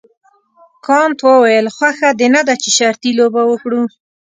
کانت وویل خوښه دې نه ده چې شرطي لوبه وکړو.